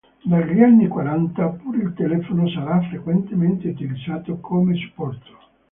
Dagli anni quaranta pure il telefono sarà frequentemente utilizzato come supporto.